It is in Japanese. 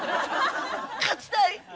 勝ちたい！